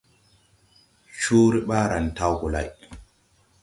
Coore ɓaaran tawge gɔ lay.